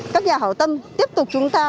các nhà hảo tâm tiếp tục chúng ta